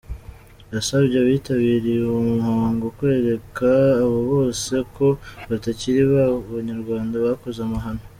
Yasabye abitabiriye uwo muhango kwereka abo bose ko batakiri ba Banyarwanda bakoze amahano.